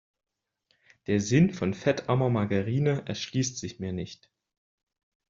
Der Sinn von fettarmer Margarine erschließt sich mir nicht.